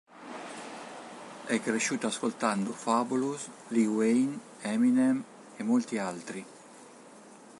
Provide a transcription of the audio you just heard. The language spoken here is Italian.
È cresciuto ascoltando Fabolous, Lil Wayne, Eminem e molti altri.